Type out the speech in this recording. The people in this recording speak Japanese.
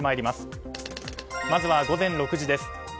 まずは午前６時です。